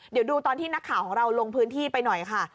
เดี๋ยวดูตอนที่นักข่าวของเราลงพื้นที่ไปหน่อยค่ะ